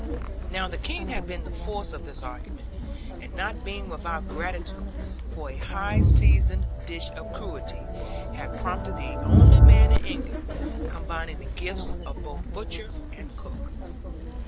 Now the King had seen the force of this argument; and not being without gratitude for a high seasoned dish of cruelty, had promoted the only man in England, combining the gifts of both butcher and cook.